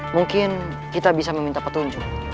mungkin kita bisa meminta petunjuk